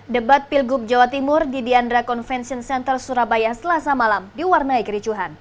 debat pilgub jawa timur di diandra convention center surabaya selasa malam diwarnai kericuhan